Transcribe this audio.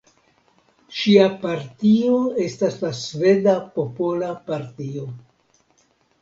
Ŝia partio estas la Sveda Popola Partio.